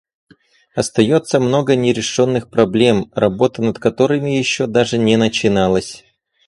Остается много нерешенных проблем, работа над которыми еще даже не начиналась.